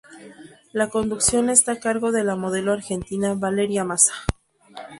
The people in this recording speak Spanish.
La conducción está a cargo de la modelo argentina Valeria Mazza.